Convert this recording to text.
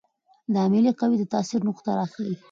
د عاملې قوې د تاثیر نقطه راښيي.